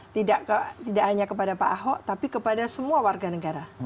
tidak hanya kepada pak ahok tapi kepada semua warga negara